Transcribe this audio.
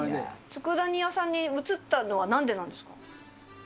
つくだ煮屋さんに移ったのはなんでなんですか。